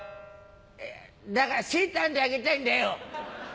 「だからセーター編んであげたいんだよ」。